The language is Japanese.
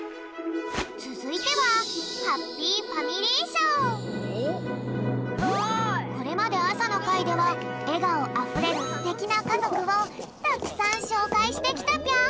つづいてはこれまであさのかいではえがおあふれるステキなかぞくをたくさんしょうかいしてきたぴょん。